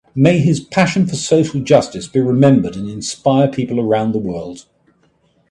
May his passion for social justice be remembered and inspire people around the world.